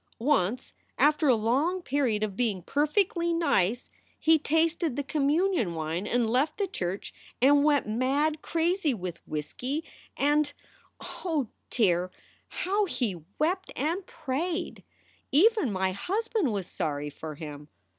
Once, after a long period of being perfectly nice, he tasted the communion wine and left the church and went mad crazy with whisky and oh dear, 252 SOULS FOR SALE how he wept and prayed! Even my husband was sorry for him.